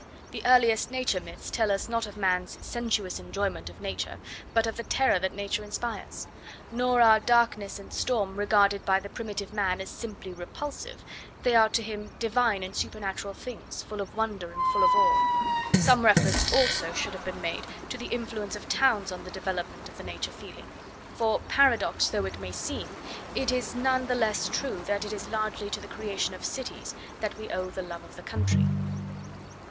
The earliest Nature myths tell us, not of man's 'sensuous enjoyment' of Nature, but of the terror that Nature inspires. Nor are darkness and storm regarded by the primitive man as 'simply repulsive'; they are to him divine and supernatural things, full of wonder and full of awe. Some reference, also, should have been made to the influence of towns on the development of the nature feeling, for, paradox though it may seem, it is none the less true that it is largely to the creation of cities that we owe the love of the country.